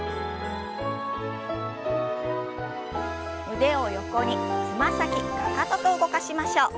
腕を横につま先かかとと動かしましょう。